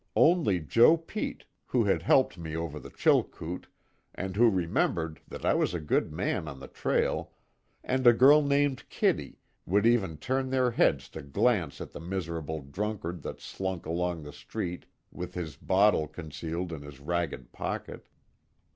Only Joe Pete, who had helped me over the Chilkoot, and who remembered that I was a good man on the trail, and a girl named Kitty, would even turn their heads to glance at the miserable drunkard that slunk along the street with his bottle concealed in his ragged pocket.